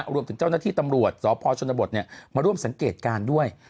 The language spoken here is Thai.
รวมถึงเจ้าหน้าที่ตำรวจสพชนบทมาร่วมสังเกตการณ์ด้วย